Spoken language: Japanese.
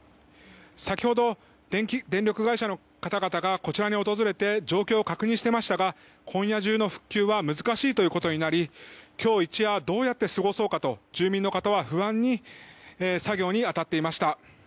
先ほど、電力会社の方々がこちらに訪れて状況を確認していましたが今夜中の復旧は難しいということになり今日一夜どうやって過ごそうかと住民の方は不安な中作業に当たっていました。